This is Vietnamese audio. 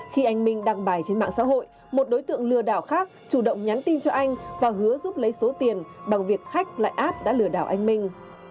khi anh minh đăng bài trên mạng xã hội một đối tượng lừa đảo khác chủ động nhắn tin cho anh và hứa giúp lấy số tiền bằng việc khách lại app đã lừa đảo anh minh